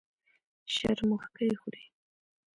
شرموښکۍ خوري.